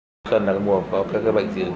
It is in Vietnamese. mùa xuân là cái mùa có các bệnh dị ứng